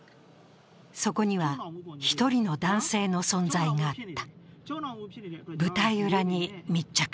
そこには１人の男性の存在があった。